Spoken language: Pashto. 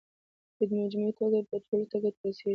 په مجموعي توګه به ټولو ته ګټه رسېږي.